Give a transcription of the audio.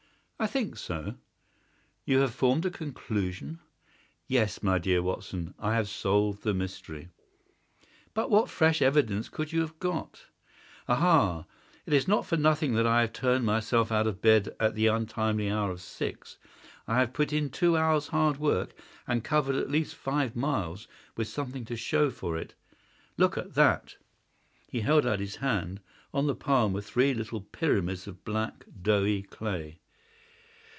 "I think so." "You have formed a conclusion?" "Yes, my dear Watson; I have solved the mystery." "But what fresh evidence could you have got?" "Aha! It is not for nothing that I have turned myself out of bed at the untimely hour of six. I have put in two hours' hard work and covered at least five miles, with something to show for it. Look at that!" He held out his hand. On the palm were three little pyramids of black, doughy clay.